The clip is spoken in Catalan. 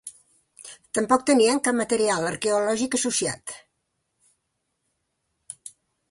Tampoc tenien cap material arqueològic associat.